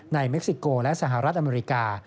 เม็กซิโกและสหรัฐอเมริกา